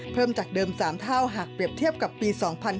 จากเดิม๓เท่าหากเปรียบเทียบกับปี๒๕๕๙